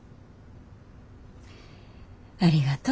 ありがとう。